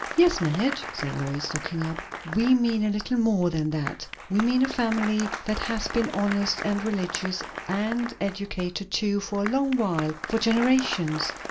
"Yes, Madge," said Lois, looking up, "we mean a little more than that. We mean a family that has been honest and religious, and educated too, for a long while for generations.